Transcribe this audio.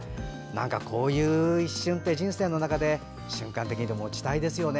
こういう一瞬って人生の中で瞬間的にでも持ちたいですよね。